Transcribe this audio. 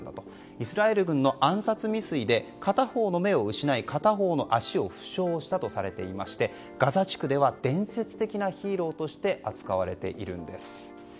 イスラエル軍の暗殺未遂で片方の目を失い片方の足を負傷したということでしてガザ地区では伝説的なヒーローとして扱われているんです。